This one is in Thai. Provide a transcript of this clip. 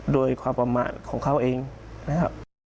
โดยความประมาทของเขาเองนะครับ